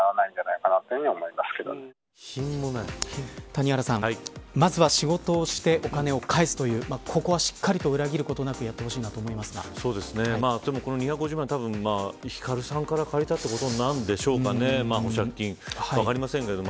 谷原さん、まずは仕事をしてお金を返すというここはしっかりと裏切ることなくやってほしいなと思いますがでも、この２５０万たぶんヒカルさんから借りたということになるんでしょうかね、保釈金分かりませんけど。